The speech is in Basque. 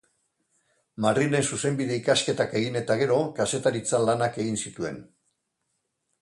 Madrilen zuzenbide ikasketak egin eta gero kazetaritza-lanak egin zituen.